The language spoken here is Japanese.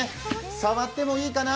触ってもいいかな？